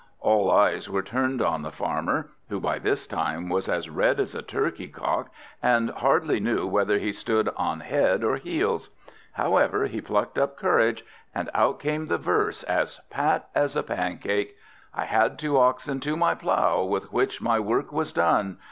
All eyes were turned on the Farmer, who by this time was as red as a turkey cock, and hardly knew whether he stood on head or heels. However, he plucked up courage, and out came the verse, as pat as a pancake: "I had two oxen to my plough, with which my work was done.